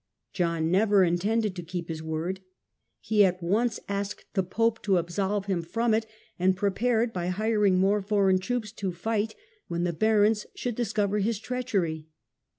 John never intended to keep his word. He at once asked the pope to absolve him from it, and prepared, by hiring more foreign troops, to fight when the barons should discover his treachery.